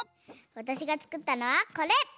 わたしがつくったのはこれ！